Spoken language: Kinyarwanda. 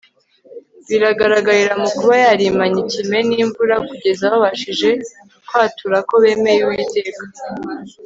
bigaragarira mu kuba yarimanye ikime nimvura kugeza babashije kwatura ko bemeye Uwiteka